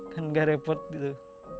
kan gak repot gitu